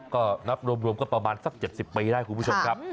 ก็นับรวมก็ประมาณสัก๗๐ปีได้คุณผู้ชมครับ